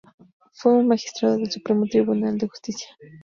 Fue magistrado del Supremo Tribunal de Justicia.